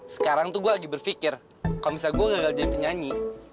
sekarang tuh gue lagi berpikir kalau misalnya gue gagal jadi penyanyi